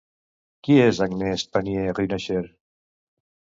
Qui és Agnès Pannier-Runacher?